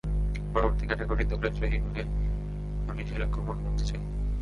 পরবর্তী ক্যাটাগরির দৌড়ে জয়ী হয়েই আমি সেই লক্ষ্য পূরণ করতে চাই।